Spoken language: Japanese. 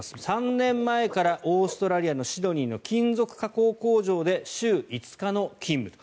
３年前からオーストラリアのシドニーの金属加工工場で週５日の勤務。